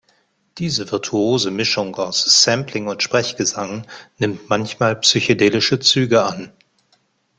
Diese virtuose Mischung aus Sampling und Sprechgesang nimmt manchmal psychedelische Züge an.